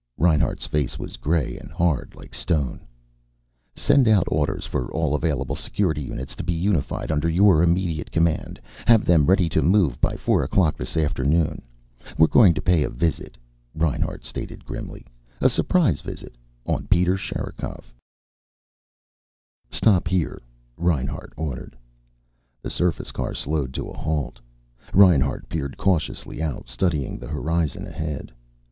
Reinhart's face was gray and hard, like stone. "Send out orders for all available Security units to be unified under your immediate command. Have them ready to move by four o'clock this afternoon. We're going to pay a visit," Reinhart stated grimly. "A surprise visit. On Peter Sherikov." "Stop here," Reinhart ordered. The surface car slowed to a halt. Reinhart peered cautiously out, studying the horizon ahead.